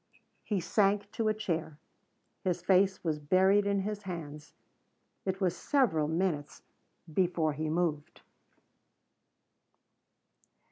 He sank to a chair. His face was buried in his hands. It was several minutes before he moved.